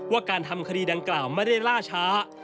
ว่าการทำคดีดังกล่าวไม่ได้ล่าช้า